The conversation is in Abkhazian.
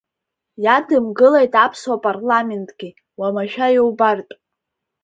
Иа-дымгылеит Аԥсуа Парламентгьы, уамашәа иубартә.